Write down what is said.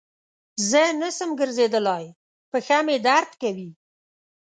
زه نسم ګرځیدلای پښه مي درد کوی.